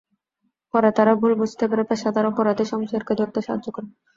পরে তারা ভুল বুঝতে পেরে পেশাদার অপরাধী শমসেরকে ধরতে সাহায্য করে।